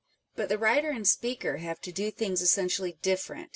But the writer and speaker have to do things essentially different.